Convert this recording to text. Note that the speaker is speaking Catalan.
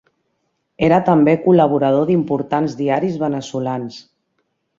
Era també col·laborador d'importants diaris veneçolans.